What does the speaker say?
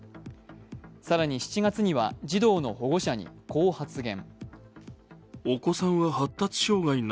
更に７月には、児童の保護者にこう発言。